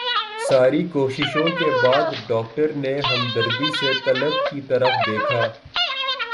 ساری کوششوں کے بعد ڈاکٹر نے ہمدردی سے طلعت کی طرف دیکھا